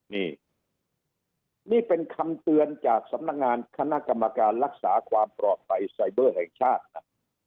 นี่นี่เป็นคำเตือนจากสำนักงานคณะกรรมการรักษาความปลอดภัยไซเบอร์แห่งชาตินะ